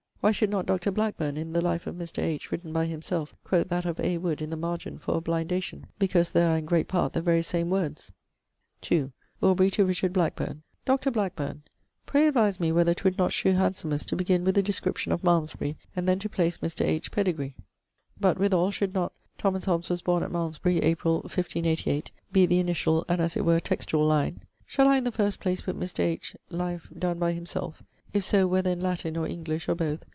Why should not Dr. Blackbourne in the life of Mr. H. written by him selfe quote that of A. Wood in the margent for a blindation, because there are in great part the very same words?' ii. Aubrey to Richard Blackburne. 'Dr. Blackbourne! Pray advise me whether 'twould not shew handsomest to begin with a description of Malmesbury, and then to place Mr. H. pedigre? But, with all, should not "Thomas Hobbes was borne at Malmesbury, Apr. ... 1588" be the initiall and, as it were, textuall, line? Shall I in the first place putt Mr. H. life donne by himselfe? (If so, whether in Latin, or English, or both?)